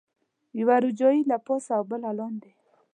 یوه روجایۍ له پاسه او بله لاندې.